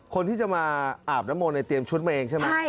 คนที่จะมาอาบน้ำมนต์ในเตรียมชุดมาเองใช่ไหม